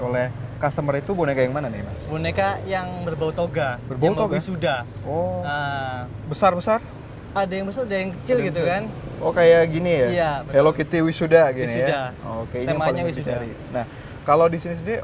kerjasama dengan ekspedisi